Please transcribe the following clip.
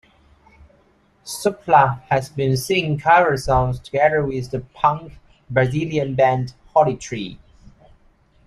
Supla has been singing cover songs together with the punk Brazilian band Holly Tree.